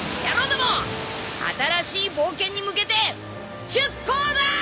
ども新しい冒険に向けて出航だぁ！